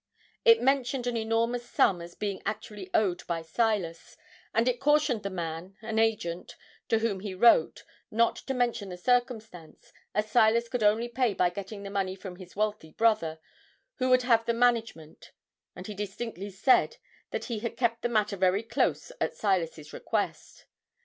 It mentioned an enormous sum as being actually owed by Silas; and it cautioned the man, an agent, to whom he wrote, not to mention the circumstance, as Silas could only pay by getting the money from his wealthy brother, who would have the management; and he distinctly said that he had kept the matter very close at Silas's request.